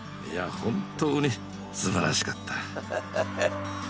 いや本当にすばらしかった。